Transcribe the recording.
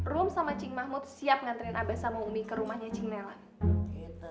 rum sama cing mahmud siap nganterin abah sama umi ke rumahnya cine lan